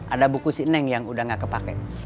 ada buku sineng yang udah gak kepake